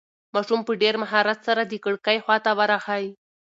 ماشوم په ډېر مهارت سره د کړکۍ خواته ورغی.